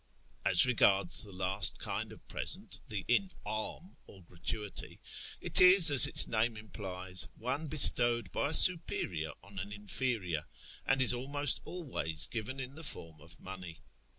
As regards the last kind of present, the in Am, or gratuity, it is, as its name implies, one bestowed by a superior on an inferior, and is almost always given in the form of money.